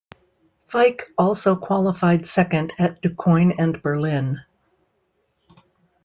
Fike also qualified second at DuQuoin and Berlin.